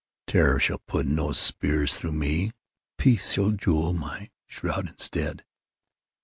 Terror shall put no spears through me. Peace shall jewel my shroud instead.